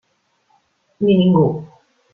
Ni ningú.